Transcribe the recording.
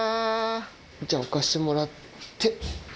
じゃあ置かしてもらって。